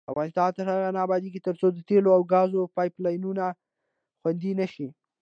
افغانستان تر هغو نه ابادیږي، ترڅو د تیلو او ګازو پایپ لاینونه خوندي نشي.